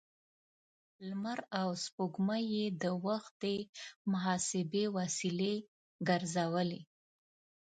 لمر او سپوږمۍ يې د وخت د محاسبې وسیلې ګرځولې.